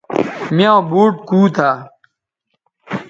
میاں بوٹ کوتہ